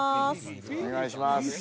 お願いします。